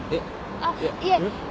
あっいえ。